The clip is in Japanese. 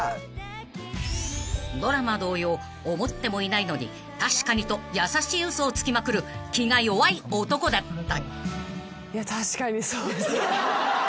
［ドラマ同様思ってもいないのに「確かに」と優しい嘘をつきまくる気が弱い男だった］